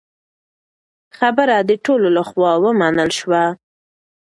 خبره د ټولو له خوا ومنل شوه.